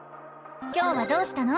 今日はどうしたの？